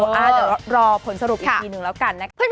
เดี๋ยวรอผลสรุปอีกทีหนึ่งแล้วกันนะคะ